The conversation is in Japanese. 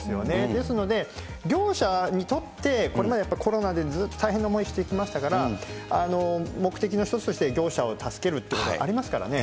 ですので、業者にとって、これまでやっぱりコロナでずっと大変な思いしてきましたから、目的の一つとして業者を助けるってことはありますからね。